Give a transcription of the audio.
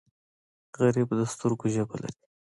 غریب د سترګو ژبه لري